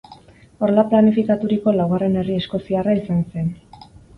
Horrela planifikaturiko laugarren herri eskoziarra izan zen.